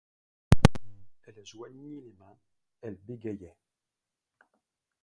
Elle joignit les mains, elle bégayait.